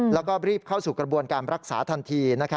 แล้วก็รีบเข้าสู่กระบวนการรักษาทันที